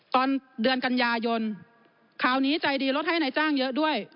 ตอนเดือนกันยายนคราวนี้ใจดีลดให้นายจ้างเยอะด้วย